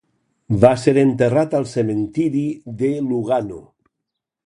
Va ser enterrat al cementiri de Lugano.